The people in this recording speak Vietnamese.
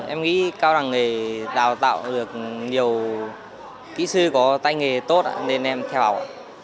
em nghĩ cao đẳng nghề đào tạo được nhiều kỹ sư có tay nghề tốt nên em theo học